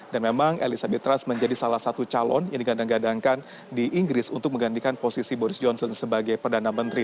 dan memang elizabeth truss menjadi salah satu calon yang digadang gadangkan di inggris untuk menggandikan posisi boris johnson sebagai perdana menteri